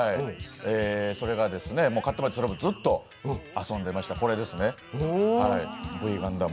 それでずっと遊んでました。